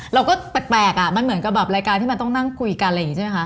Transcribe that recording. เราก็แปลกมันเหมือนกับรายการที่มันต้องนั่งคุยกันใช่ไหมคะ